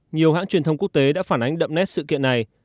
nhiều hãng truyền thông quốc tế đã phản ánh đậm nét sự kiện này